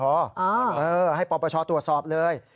เออให้ปปชตรวจสอบเลย